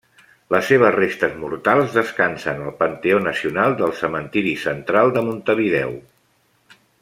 Les seves restes mortals descansen al Panteó Nacional del cementiri Central de Montevideo.